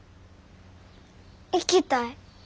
行きたい。